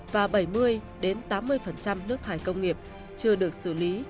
và bảy mươi tám mươi nước thải công nghiệp chưa được xử lý